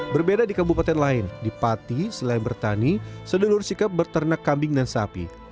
berbeda di kabupaten lain di pati selain bertani sedelur sikap berternak kambing dan sapi